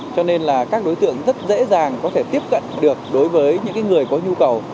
cho nên là các đối tượng rất dễ dàng có thể tiếp cận được đối với những người có nhu cầu